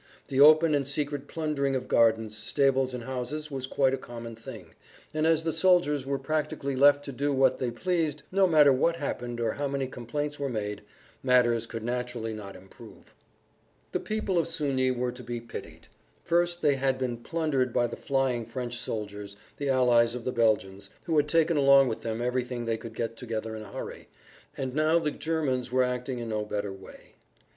The open and secret plundering of gardens, stables and houses was quite a common thing, and as the soldiers were practically left to do what they pleased, no matter what happened or how many complaints were made, matters could naturally not improve. The people of Sugny were to be pitied. First they had been plundered by the flying French soldiers, the allies of the Belgians, who had taken along with them everything they could get together in a hurry, and now the Germans were acting in no better way.